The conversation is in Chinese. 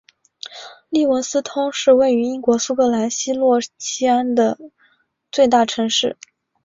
利文斯通是位于英国苏格兰西洛锡安的最大城市。